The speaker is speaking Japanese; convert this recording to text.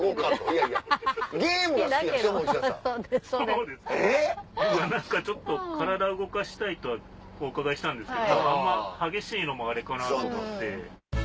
いや何かちょっと体動かしたいとお伺いしたんですけどあんま激しいのもあれかなと思って。